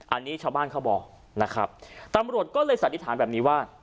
อันนี้ชาวบ้านเขาบอกนะครับตำรวจก็เลยสันนิษฐานแบบนี้ว่า